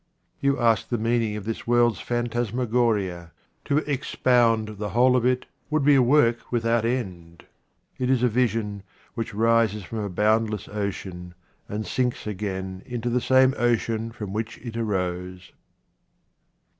You ask the meaning of this world's phantas magoria. To expound the whole of it would be a work without end. It is a vision, which rises from a boundless ocean, and sinks again into the same ocean from which it arose.